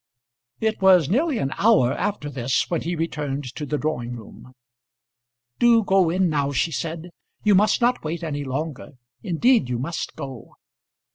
It was nearly an hour after this when he returned to the drawing room. "Do go in now," she said. "You must not wait any longer; indeed you must go."